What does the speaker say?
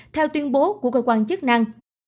theo tuyên bố của cơ quan chức năng